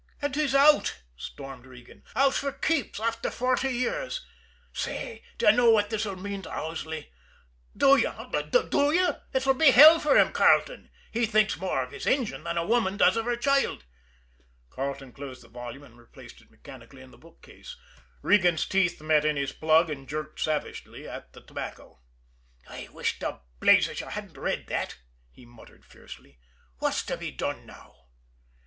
"And he's out!" stormed Regan. "Out for keeps after forty years. Say, d'ye know what this'll mean to Owsley do you, eh, do you? It'll be hell for him, Carleton he thinks more of his engine than a woman does of her child." Carleton closed the volume and replaced it mechanically in the bookcase. Regan's teeth met in his plug and jerked savagely at the tobacco. "I wish to blazes you hadn't read that!" he muttered fiercely. "What's to be done now?"